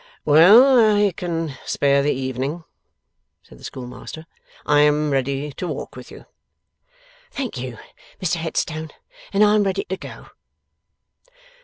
'Well, I can spare the evening,' said the schoolmaster. 'I am ready to walk with you.' 'Thank you, Mr Headstone. And I am ready to go.